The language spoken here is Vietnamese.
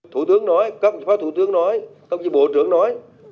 thủ tướng nói các phó thủ tướng nói các chí bộ trưởng nói